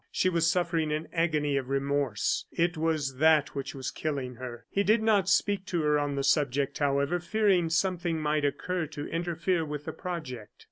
she was suffering an agony of remorse. It was that which was killing her. He did not speak to her on the subject, however, fearing something might occur to interfere with the project.